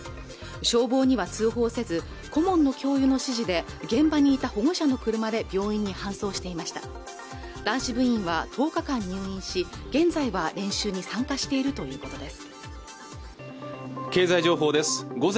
消防には通報せず顧問の教諭の指示で現場にいた保護者の車で病院に搬送していました男子部員は１０日間に入院し現在は練習に参加しているということです